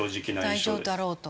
大丈夫だろうと。